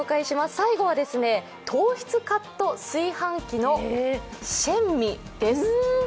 最後は糖質カット炊飯器のＺＨＥＮＭＩです。